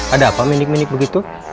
ada apa menik menik begitu